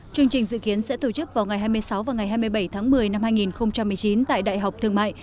chương trình dự kiến sẽ tổ chức vào ngày hai mươi sáu và ngày hai mươi bảy tháng một mươi năm hai nghìn một mươi chín tại đại học thương mại